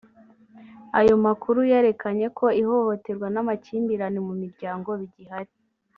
Ayo makuru yerekanye ko ihohoterwa n’amakimbirane mu miryango bigihari